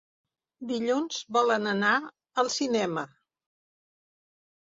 Dilluns volen anar al cinema.